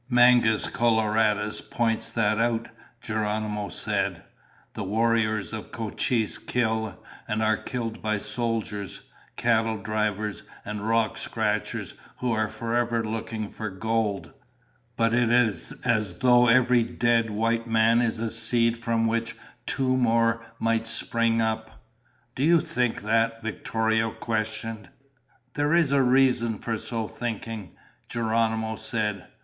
"Mangus Coloradus points that out," Geronimo said. "The warriors of Cochise kill and are killed by soldiers, cattle drivers, and rock scratchers who are forever looking for gold. But it is as though every dead white man is a seed from which two more spring up." "Do you think that?" Victorio questioned. "There is reason for so thinking," Geronimo said.